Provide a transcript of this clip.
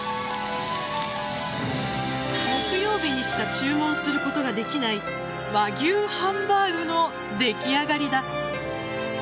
木曜日にしか注文することができない和牛ハンバーグの出来上がりだ。